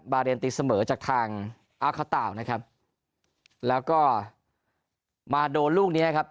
บาเรนตีเสมอจากทางอาคาตาวนะครับแล้วก็มาโดนลูกเนี้ยครับ